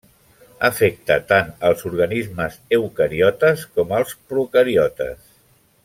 Afecta tant els organismes eucariotes com els procariotes.